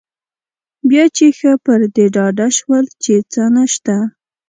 بیا چې ښه پر دې ډاډه شول چې څه نشته.